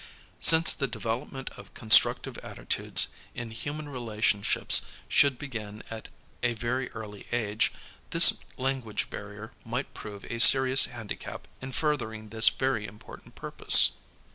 Since the development of constructive attitudes in human relationships should begin at a very early age, this language barrier might prove a serious handicap in furthering this very important purpose."